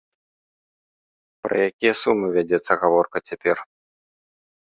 Пра якія сумы вядзецца гаворка цяпер?